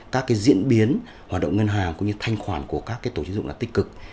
các diễn biến hoạt động ngân hàng cũng như thanh khoản của các tổ chức dụng là tích cực